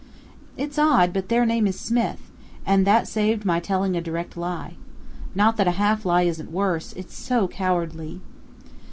It's odd, but their name is Smith, and that saved my telling a direct lie. Not that a half lie isn't worse, it's so cowardly!